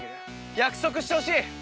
約束してほしい！